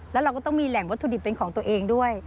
แล้วเราก็ต้องมีแหล่งวัตถุดิบเป็นของตัวเองด้วย